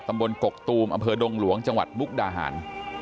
ตกกกตูมอำเภอดงหลวงจังหวัดมุกดาหาร